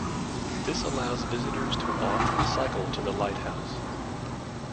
This allows visitors to walk and cycle to the lighthouse.